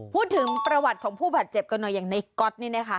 พูดถึงประวัติของผู้บาดเจ็บกันหน่อยอย่างในก๊อตนี่นะคะ